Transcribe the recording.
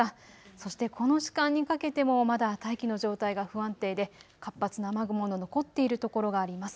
そしてこの時間にかけてもまだ大気の状態が不安定で活発な雨雲、残っている所があります。